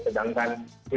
sedangkan tweet positifnya